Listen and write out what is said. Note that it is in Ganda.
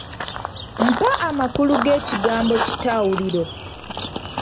Mpa amakulu g'ekigambo kitawuliro?